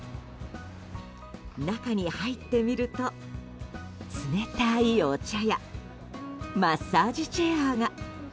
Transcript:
中に入ってみると冷たいお茶やマッサージチェアが。